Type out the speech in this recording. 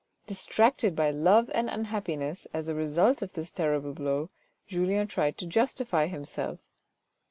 Distracted by love and unhappiness, as a result of this terrible blow, Julien tried to justify himself.